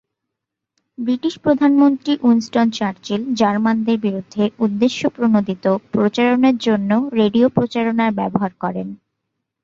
British প্রধানমন্ত্রী Winston Churchill জার্মানদের বিরুদ্ধে উদ্দেশ্যপ্রণোদিত প্রচারণার জন্য রেডিও প্রচারণার ব্যবহার করেন।